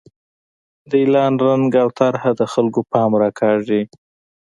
د اعلان رنګ او طرحه د خلکو پام راکاږي.